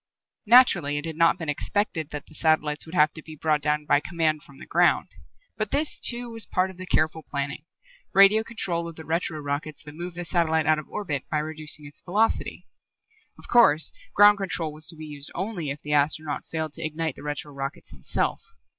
Naturally, it had not been expected that the satellites would have to be brought down by command from the ground. But this, too, was part of the careful planning radio control of the retro rockets that move the satellite out of orbit by reducing its velocity. Of course, ground control was to be used only if the astronaut failed to ignite the retro rockets himself.